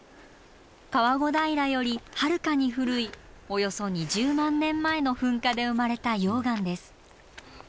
皮子平よりはるかに古いおよそ２０万年前の噴火で生まれた溶岩です。